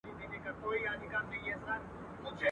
په عزت به یادېدی په قبیله کي.